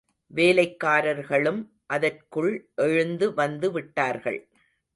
வேலைக்காரர்களும் அதற்குள் எழுந்து வந்துவிட்டார்கள்.